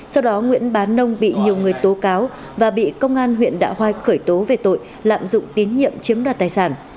sau đó nguyễn bán nông bị nhiều người tố cáo và bị công an huyện đạ hoai khởi tố về tội lạm dụng tín nhiệm chiếm đoạt tài sản